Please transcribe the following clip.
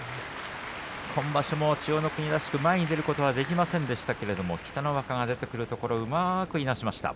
今場所も千代の国らしく前に出ることはできませんでしたが出てくるところをうまくいなしました、